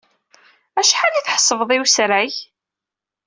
Acḥal ay tḥessbeḍ i wesrag?